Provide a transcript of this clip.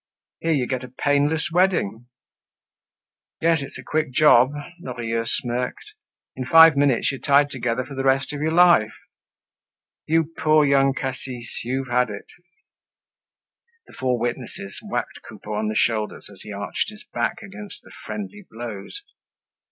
Here you get a painless wedding!" "Yes, it's a quick job," Lorilleux smirked. "In five minutes you're tied together for the rest of your life. You poor Young Cassis, you've had it." The four witnesses whacked Coupeau on the shoulders as he arched his back against the friendly blows.